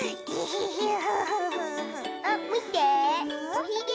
おひげ！